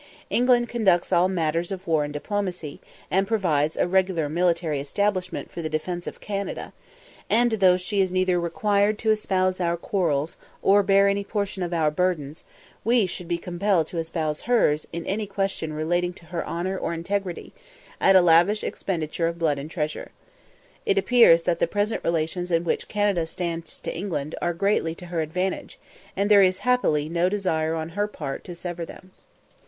England conducts all matters of war and diplomacy, and provides a regular military establishment for the defence of Canada; and though she is neither required to espouse our quarrels, or bear any portion of our burdens, we should be compelled to espouse hers in any question relating to her honour or integrity, at a lavish expenditure of blood and treasure. It appears that the present relations in which Canada stands to England are greatly to her advantage, and there is happily no desire on her part to sever them.